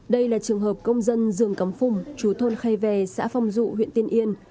đây là trường hợp công dân dương cắm phùng chú thôn khay vè xã phong dụ huyện tiên yên